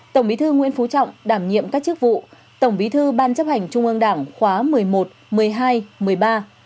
tổng bí thư nguyễn phú trọng đảm nhiệm các chức vụ tổng bí thư ban chấp hành trung ương đảng khóa một mươi một một mươi hai một mươi ba